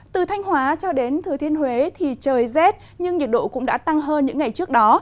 từ thanh hóa cho đến thừa thiên huế thì trời rét nhưng nhiệt độ cũng đã tăng hơn những ngày trước đó